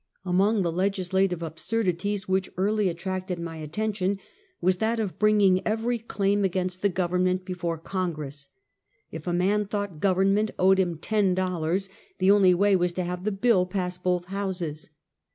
Among the legislative absurdities which early at tracted my attention was that of bringing every claim against the government before Congress. If a man thought government owed him ten dollars, the only way was to have the bill pass both houses.